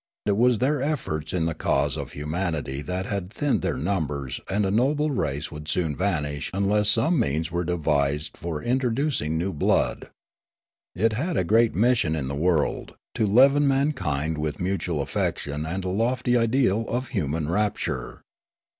It was their efforts in the cause of humanity that had thinned their numbers, and a noble race would soon vanish unless some means were devised for introducing new blood. It had a great mission in the world : to leaven mankind with mutual affection and a lofty ideal of human rapture.